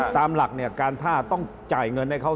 ตามหลักเนี่ยการท่าต้องจ่ายเงินให้เขา